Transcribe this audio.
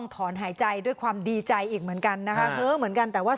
ถอนหายใจด้วยความดีใจอีกเหมือนกันนะคะเฮ้อเหมือนกันแต่ว่า